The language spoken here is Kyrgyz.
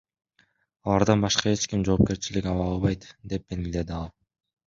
Алардан башка эч ким жоопкерчилик ала албайт, — деп белгиледи ал.